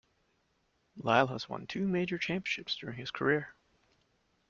Lyle has won two major championships during his career.